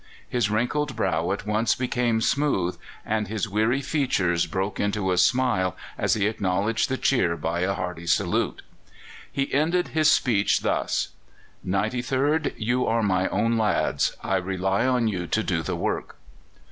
His wrinkled brow at once became smooth, and his weary features broke into a smile as he acknowledged the cheer by a hearty salute. He ended his speech thus: "Ninety third, you are my own lads. I rely on you to do the work."